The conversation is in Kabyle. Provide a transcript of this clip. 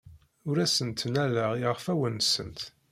Ur asent-ttnaleɣ iɣfawen-nsent.